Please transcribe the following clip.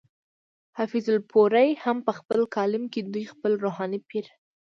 حافظ الپورۍ هم پۀ خپل کالم کې دوي خپل روحاني پير